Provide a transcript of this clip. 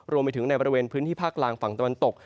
รวมไปถึงในบริเวณพื้นที่ภาคกลางฝั่งตะวันตก